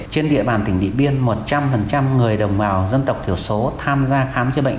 trên địa bàn tỉnh điện biên một trăm linh người đồng bào dân tộc thiểu số tham gia khám chữa bệnh